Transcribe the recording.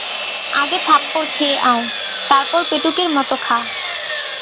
আগে থাপ্পড় খেয়ে আয়, তারপর পেটুকের মতো খা।